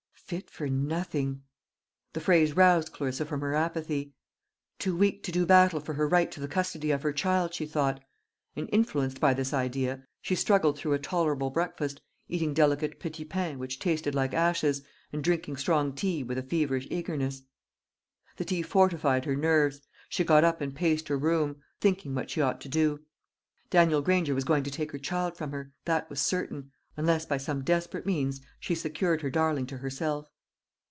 Fit for nothing! The phrase roused Clarissa from her apathy. Too weak to do battle for her right to the custody of her child, she thought; and influenced by this idea, she struggled through a tolerable breakfast, eating delicate petits pains which tasted like ashes, and drinking strong tea with a feverish eagerness. The tea fortified her nerves; she got up and paced her room, thinking what she ought to do. Daniel Granger was going to take her child from her that was certain unless by some desperate means she secured her darling to herself.